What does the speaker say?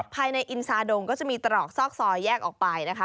ภายในอินซาดงก็จะมีตรอกซอกซอยแยกออกไปนะคะ